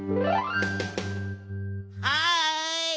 はい！